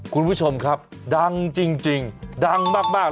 คุณผู้ชมครับดังจริงดังมาก